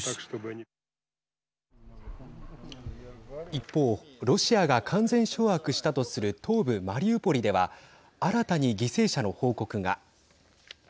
一方、ロシアが完全掌握したとする東部マリウポリでは新たに犠牲者の報告が。